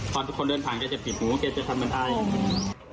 ต้องมีคนเดินผ่านจะเป็นปิดหูแกจะทำแบบนี้